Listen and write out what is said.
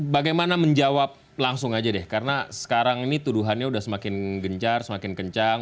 bagaimana menjawab langsung aja deh karena sekarang ini tuduhannya sudah semakin gencar semakin kencang